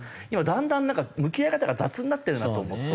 だんだんなんか向き合い方が雑になってるなと思って。